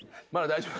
大丈夫？